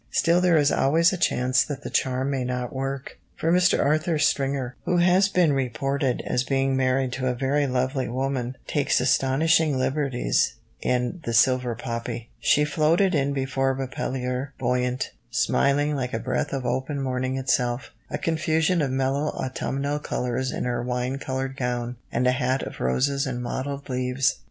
Still there is always a chance that the charm may not work, for Mr. Arthur Stringer, who has been reported as being married to a very lovely woman, takes astonishing liberties in The Silver Poppy: "She floated in before Reppellier, buoyant, smiling, like a breath of open morning itself, a confusion of mellow autumnal colours in her wine coloured gown, and a hat of roses and mottled leaves.